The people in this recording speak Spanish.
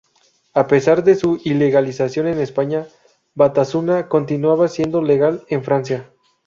A pesar de su ilegalización en España, Batasuna continuaba siendo legal en Francia.